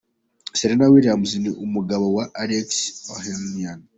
Serena Williams ni umugabo we Alexis Ohanian.